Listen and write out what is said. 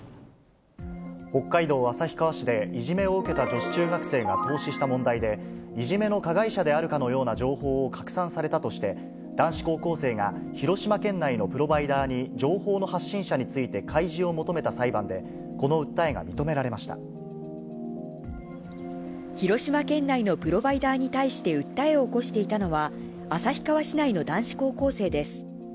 北海道旭川市で、いじめを受けた女子中学生が凍死した問題で、いじめの加害者であるかのような情報を拡散されたとして、男子高校生が、広島県内のプロバイダーに情報の発信者について開示を求めた裁判広島県内のプロバイダーに対して訴えを起こしていたのは、旭川市内の男子高校生です。